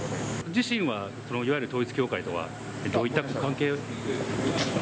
自身はいわゆる統一教会とは、どういったご関係？